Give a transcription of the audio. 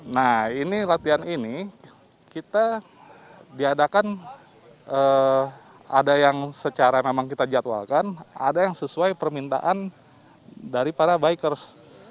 nah ini latihan ini kita diadakan ada yang secara memang kita jadwalkan ada yang sesuai permintaan dari para bikers